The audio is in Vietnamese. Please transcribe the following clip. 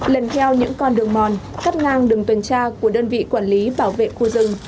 lần theo những con đường mòn cắt ngang đường tuần tra của đơn vị quản lý bảo vệ khu rừng